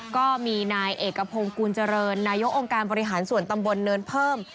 ก็มีนายเอกพงศ์กูลเจริญนายกองค์การบริหารส่วนตำบลเนินเพิ่ม